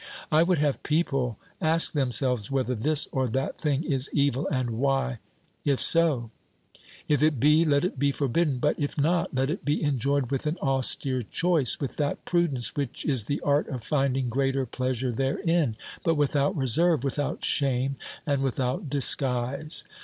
I would have people ask themselves whether this or that thing is evil, and why, if so ? If it be, let it be forbidden, but if not let it be enjoyed with an austere choice, with that prudence which is the art of finding greater pleasure therein, but without reserve, without shame and without disguise.